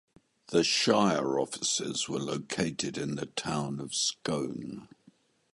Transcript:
The shire offices were located in the town of Scone.